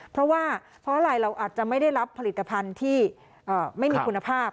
เพราะว่าเพราะอะไรเราอาจจะไม่ได้รับผลิตภัณฑ์ที่ไม่มีคุณภาพ